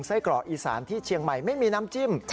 กรอกอีสานที่เชียงใหม่ไม่มีน้ำจิ้ม